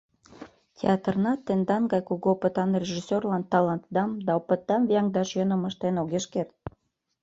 Театрна тендан гай кугу опытан режиссёрлан талантдам да опытдам вияҥдаш йӧным ыштен огеш керт.